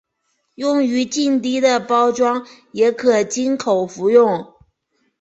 用于静滴的包装也可经口服用。